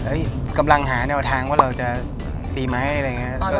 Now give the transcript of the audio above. กำลังหาแนวทางว่าเราจะตีไหมอะไรอย่างนี้